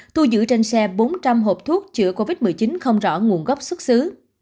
thu giữ trên xe bốn trăm linh hộp thuốc chữa covid một mươi chín không rõ nguồn gốc xuất xứ